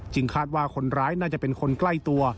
คาดว่าคนร้ายน่าจะเป็นคนใกล้ตัว